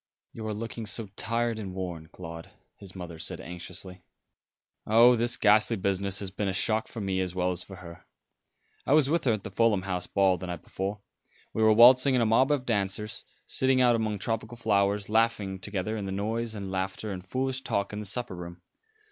"You are looking so tired and worn, Claude," his mother said anxiously. "Oh, this ghastly business has been a shock for me as well as for her. I was with her at the Fulham House ball the night before. We were waltzing in a mob of dancers, sitting out among tropical flowers, laughing together in the noise and laughter and foolish talk in the supper room.